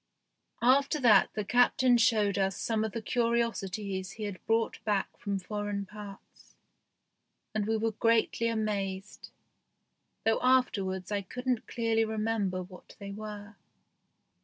After that Captain showed us some of the curiosities he had brought back from foreign parts, and we were greatly amazed, though afterwards I couldn't clearly remember what they were.